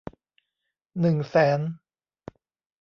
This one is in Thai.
หนึ่งแสน